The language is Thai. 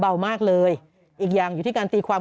เบามากเลยอีกอย่างอยู่ที่การตีความ